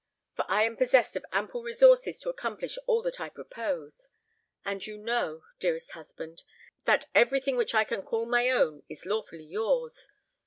For I am possessed of ample resources to accomplish all that I propose; and you know, dearest husband, that every thing which I can call my own is lawfully yours.